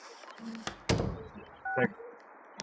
核质包括染色体和核仁。